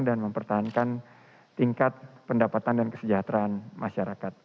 dan mempertahankan tingkat pendapatan dan kesejahteraan masyarakat